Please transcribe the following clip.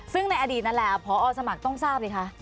ซึ่งในอดีตนั่นแหละพอสมัครต้องทราบสิคะ